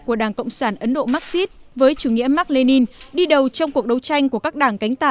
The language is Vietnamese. của đảng cộng sản ấn độ marxist với chủ nghĩa mark lenin đi đầu trong cuộc đấu tranh của các đảng cánh tả